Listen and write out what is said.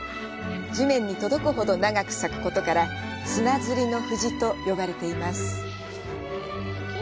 地面に届くほど長く咲くことから、「砂ずりの藤」と呼ばれています。